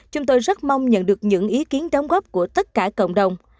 chúng tôi rất mong nhận được những ý kiến đóng góp của tất cả cộng đồng